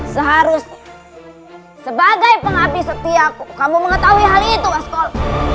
seharusnya sebagai pengabdi setiaku kamu mengetahui hal itu waskorn